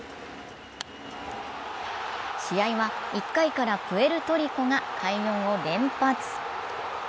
試合は１回からプエルトリコが快音を連発。